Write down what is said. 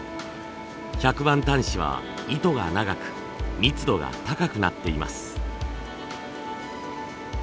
１００番単糸は糸が長く密度が高くなっています。